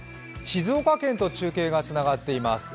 静岡県と中継がつながっています。